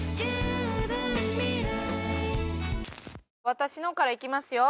私のからいきますよ。